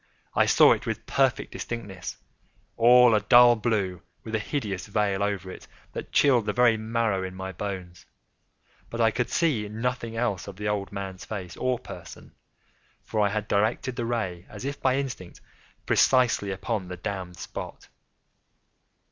I saw it with perfect distinctness—all a dull blue, with a hideous veil over it that chilled the very marrow in my bones; but I could see nothing else of the old man's face or person: for I had directed the ray as if by instinct, precisely upon the damned spot.